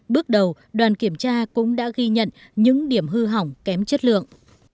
bước đầu đoàn kiểm tra cũng đã ghi nhận những điểm hư hỏng kém chất lượng